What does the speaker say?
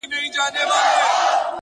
پرمختګ د کوچنیو اصلاحاتو ټولګه ده,